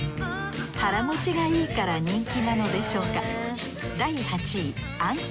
腹持ちがいいから人気なのでしょうか？